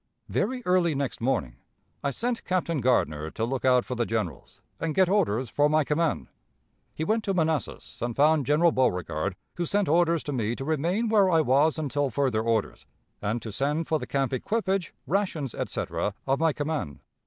"Very early next morning, I sent Captain Gardner to look out for the generals, and get orders for my command. He went to Manassas, and found General Beauregard, who sent orders to me to remain where I was until further orders, and to send for the camp equipage, rations, etc., of my command.